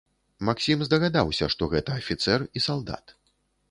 Максім здагадаўся, што гэта афіцэр і салдат.